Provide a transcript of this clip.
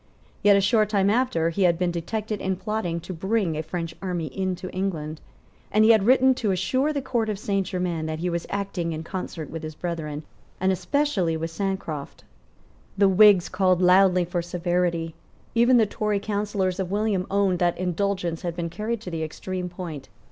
Yet, a short time after, he had been detected in plotting to bring a French army into England; and he had written to assure the Court of Saint Germains that he was acting in concert with his brethren, and especially with Sancroft. The Whigs called loudly for severity. Even the Tory counsellors of William owned that indulgence had been carried to the extreme point.